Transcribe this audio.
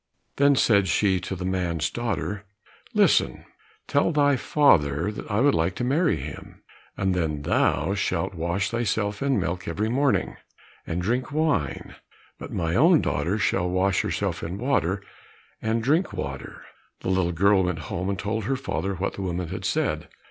Then said she to the man's daughter, "Listen, tell thy father that I would like to marry him, and then thou shalt wash thyself in milk every morning, and drink wine, but my own daughter shall wash herself in water and drink water." The girl went home, and told her father what the woman had said.